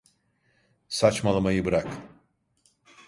Saçmalamayı bırak!